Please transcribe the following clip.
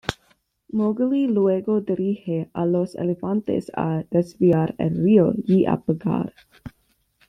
Mowgli luego dirige a los elefantes a desviar el río y apagar.